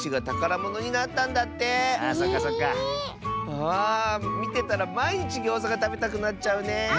ああみてたらまいにちギョーザがたべたくなっちゃうねえ。